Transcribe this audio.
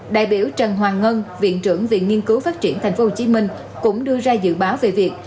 đại biểu trần hoàng ngân viện trưởng viện nghiên cứu phát triển tp hcm cũng đưa ra dự báo về việc